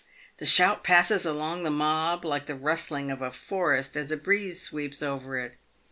The shout passes along the mob like the rustling of a forest as a breeze sweeps over it.